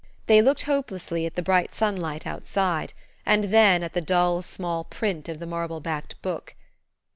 They looked hopelessly at the bright sunlight outside, and then at the dull, small print of the marble backed book.